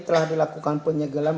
telah dilakukan penyegelan